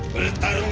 kau akan menang